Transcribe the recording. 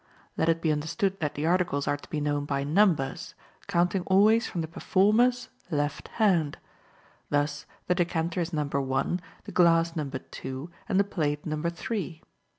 Let it be understood that the articles are to be known by numbers, counting always from the performer's left hand. Thus, the decanter is number one, the glass number two, and the plate number three.